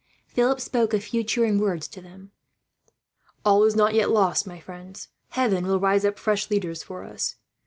Philip spoke a few cheering words to them. "All is not lost yet, my friends. Heaven will raise up fresh leaders for us.